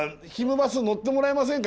バス乗ってもらえませんか？